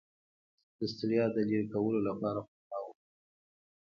د ستړیا د لرې کولو لپاره خرما وخورئ